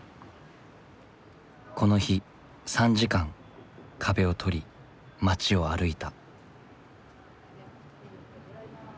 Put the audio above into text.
この日３時間壁を撮り街を歩いた。